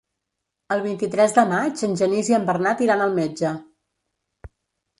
El vint-i-tres de maig en Genís i en Bernat iran al metge.